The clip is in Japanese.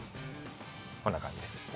こんな感じです。